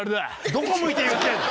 どこ向いて言ってんの？